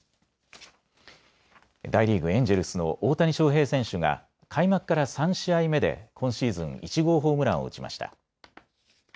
大リーグ、エンジェルスの大谷翔平選手が開幕から３試合目で今シーズン１号ホームランを打ちました。